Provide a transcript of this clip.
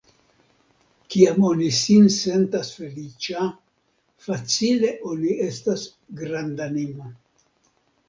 Kiam oni sin sentas feliĉa, facile oni estas grandanima.